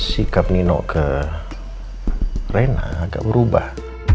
sikap nino ke rena agak berubah